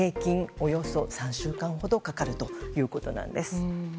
およそ３週間ほどかかるということです。